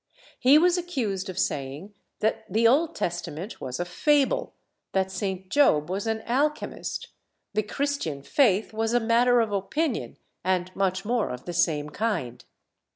He was accused of saying that the Old Testament was a fable, that St. Job was an alchemist, the Christian faith was a matter of opinion and much more of the same kind.